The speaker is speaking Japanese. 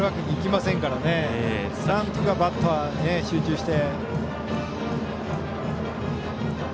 なんとか、バッターに集中して。